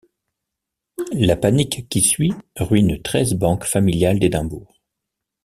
La panique qui suit ruine treize banques familiales d'Édimbourg.